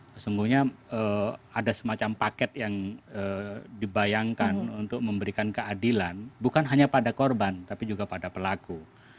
sesungguhnya ada semacam paket yang dibayangkan untuk memberikan keadilan bukan hanya pada korban tapi juga pada pelaku